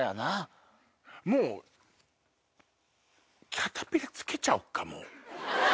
キャタピラーつけちゃおうか。